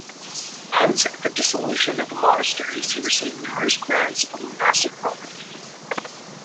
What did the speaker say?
Hence at the Dissolution of the Monasteries he received numerous grants of monastic property.